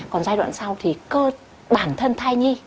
còn giai đoạn sau thì bản thân thai nhi